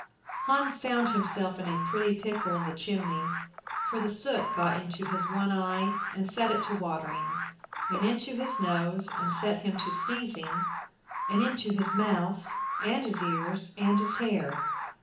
Hans found himself in a pretty pickle in the chimney, for the soot got into his one eye and set it to watering, and into his nose and set him to sneezing, and into his mouth and his ears and his hair.